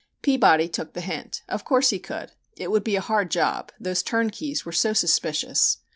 Peabody took the hint. Of course he could. It would be a hard job those turnkeys were so suspicious.